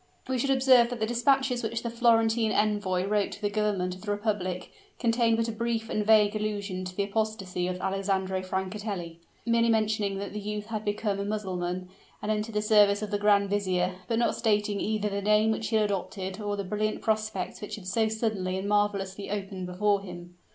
We should observe that the dispatches which the Florentine Envoy wrote to the government of the republic, contained but a brief and vague allusion to the apostasy of Alessandro Francatelli; merely mentioning that the youth had become a Mussulman, and entered the service of the grand vizier, but not stating either the name which he had adopted or the brilliant prospects which had so suddenly and marvelously opened before him.